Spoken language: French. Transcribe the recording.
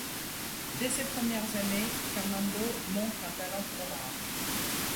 Dès ses premières années, Fernando montre un talent pour l'art.